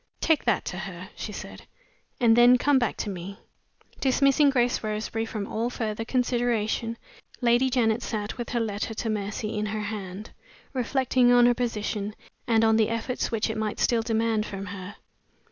"Take that to her," she said, "and then come back to me." Dismissing Grace Roseberry from all further consideration, Lady Janet sat, with her letter to Mercy in her hand, reflecting on her position, and on the efforts which it might still demand from her.